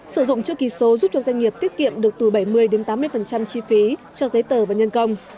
sử dụng chữ ký số giúp cho doanh nghiệp tiết kiệm được từ bảy mươi tám mươi chi phí cho giấy tờ và nhân công